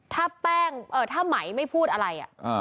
ถ้าแป้งถ้าไหมไม่พูดอะไร